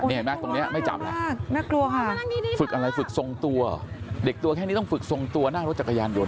เด็กตัวแค่นี้ต้องฝึกทรงตัวหน้ารถจะกระยานยนต์